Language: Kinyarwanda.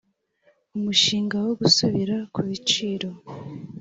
umushinga wo gusubira ku biciro